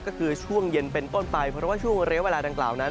ก็คือช่วงเย็นเป็นต้นไปเพราะว่าช่วงเรียกเวลาดังกล่าวนั้น